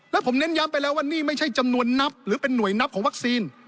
แล้วผมเน้นย้ำไปแล้วว่านี่ไม่ใช่จำนวนนับหรือเป็นหน่วยนับของวัคซีน